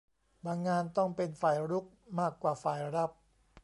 บางงานต้องเป็นฝ่ายรุกมากกว่าฝ่ายรับ